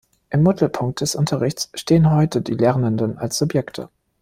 Im Mittelpunkt des Unterrichts stehen heute die Lernenden als Subjekte.